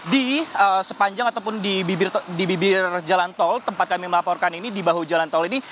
di sepanjang ataupun di bibir jalan tol tempat kami melaporkan ini di bahu jalan tol ini